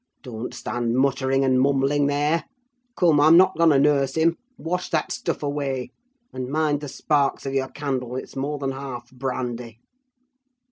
Don't stand muttering and mumbling there. Come, I'm not going to nurse him. Wash that stuff away; and mind the sparks of your candle—it is more than half brandy!